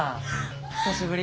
久しぶり。